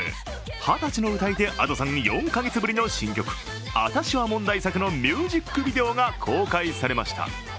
二十歳の歌い手・Ａｄｏさんに４か月ぶりの新曲、「アタシは問題作」のミュージックビデオが公開されました。